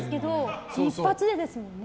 一発でですもんね。